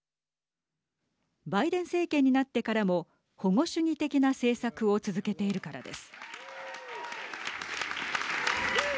バイデン政権になってからも保護主義的な政策を続けているからです。